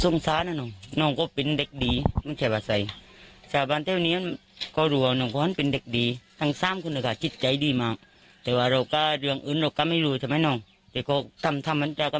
นองก็เป็นเล็กดีชอบเจยเรือคุณชอบเจยเรือทุกสิ้นหนึ่งอย่างไปจากบ้าน